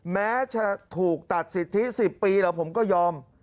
แม้จะถูกตัดสิทธิ๑๐ปีแล้วผมก็ยอม